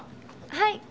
はい。